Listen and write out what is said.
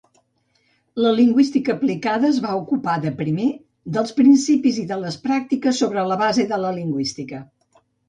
La lingüística aplicada es va ocupar de primer dels principis i de les pràctiques sobre la base de la lingüística.